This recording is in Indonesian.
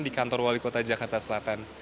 di kantor wali kota jakarta selatan